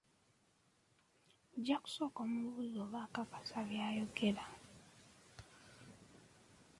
Ojja kusooka omubuuze oba akakasa by’ayogera.